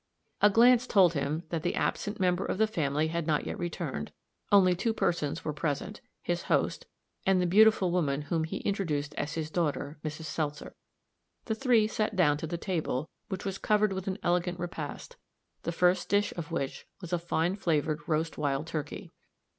A glance told him that the absent member of the family had not yet returned; only two persons were present, his host, and the beautiful woman whom he introduced as his daughter, Mrs. Seltzer. The three sat down to the table, which was covered with an elegant repast, the first dish of which was a fine flavored roast wild turkey.